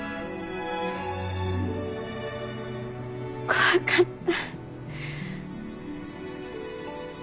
怖かった。